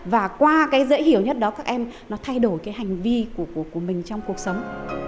và qua cái dễ hiểu nhất đó các em nó thay đổi cái hành vi của mình trong cuộc sống